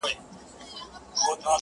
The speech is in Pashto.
قاضي و ویل سړي ته نه شرمېږي,